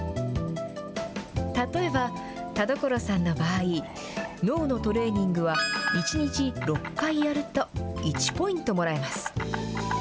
例えば田所さんの場合、脳のトレーニングは、１日６回やると１ポイントもらえます。